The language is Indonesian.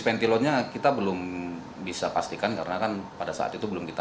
pentilonnya kita belum bisa pastikan karena kan pada saat itu belum kita